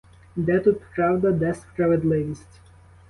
Де тут правда, де справедливість?